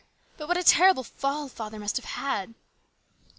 But what a terrible fall father must have had